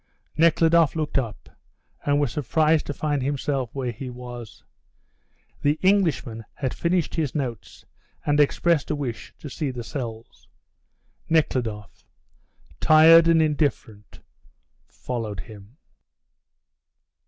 Nekhludoff looked up and was surprised to find himself where he was. The Englishman had finished his notes and expressed a wish to see the cells. Nekhludoff, tired and indifferent, followed him.